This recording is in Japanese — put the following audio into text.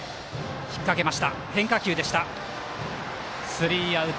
スリーアウト。